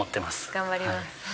頑張ります。